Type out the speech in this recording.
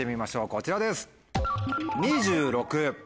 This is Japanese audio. こちらです。